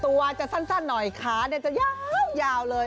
ตัวจะสั้นหน่อยขาจะยาวเลย